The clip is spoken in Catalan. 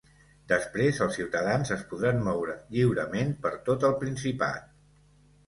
Després, els ciutadans es podran moure lliurement per tot el Principat.